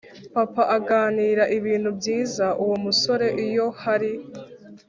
Papa aganira ibintu byiza uwo musore iyo hari